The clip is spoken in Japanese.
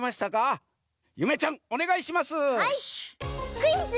「クイズ！